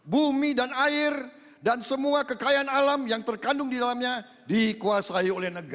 bumi dan air dan semua kekayaan alam yang terkandung di dalamnya dikuasai oleh negara